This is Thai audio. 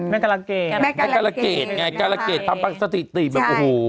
แม่กรเกรดแม่กรเกรดไงแม่กรเกรดทำปังสติติแบบโอ้โห